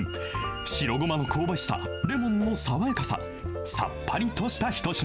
白ゴマの香ばしさ、レモンの爽やかさ、さっぱりとした一品。